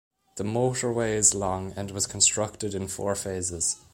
The motorway is long and was constructed in four phases.